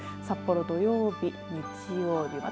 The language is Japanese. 札幌、土曜日、日曜日